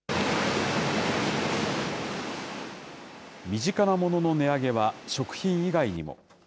身近なものの値上げは食品以外にも。